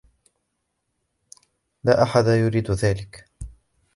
لا أحد يريد ذلك.